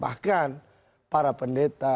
bahkan bahkan para pendeta kristen katolik